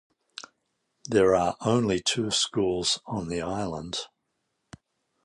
There are only two schools on the island.